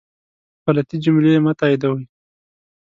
غلطي جملې مه تائیدوئ